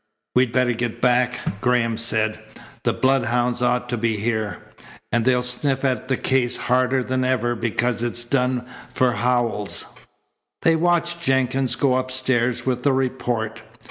"We'd better get back," Graham said. "The blood hounds ought to be here, and they'll sniff at the case harder than ever because it's done for Howells." They watched Jenkins go upstairs with the report.